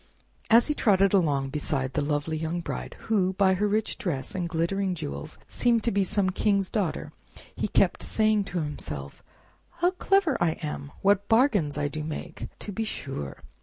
As he trotted along beside the lovely young Bride, who, by her rich dress and glittering jewels, seemed to be some king's daughter, he kept saying to himself, "How clever I am! What bargains I do make, to be sure!"